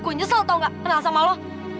aku nyesel tau gak kenal sama lo